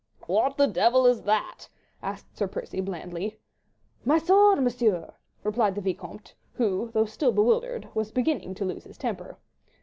"What the devil is that?" asked Sir Percy, blandly. "My sword, Monsieur," replied the Vicomte, who, though still bewildered, was beginning to lose his temper.